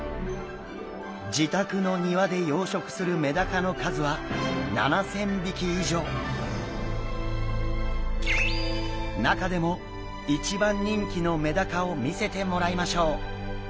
自宅の庭で養殖するメダカの数は中でも一番人気のメダカを見せてもらいましょう！